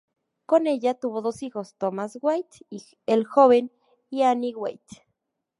Con ella tuvo dos hijos: Thomas Wyatt el Joven y Anne Wyatt.